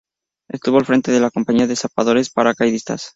Estuvo al frente de la Compañía de Zapadores Paracaidistas.